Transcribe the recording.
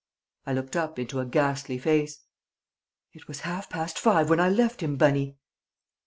I looked up into a ghastly face. "It was half past five when I left him, Bunny!"